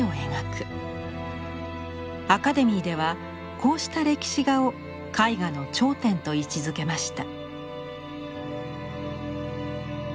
アカデミーではこうした歴史画を絵画の頂点と位置づけました。